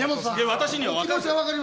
私にはわかる。